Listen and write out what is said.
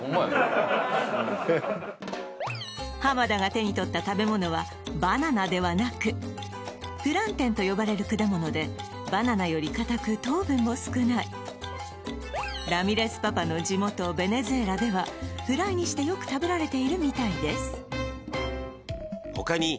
田が手にとった食べ物はバナナではなくプランテンと呼ばれる果物でバナナより固く糖分も少ないラミレスパパの地元ベネズエラではフライにしてよく食べられているみたいです